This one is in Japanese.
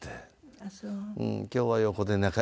ああそう。